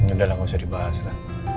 udah lah nggak usah dibahas lah